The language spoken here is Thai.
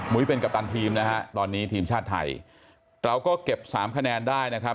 เป็นกัปตันทีมนะฮะตอนนี้ทีมชาติไทยเราก็เก็บสามคะแนนได้นะครับ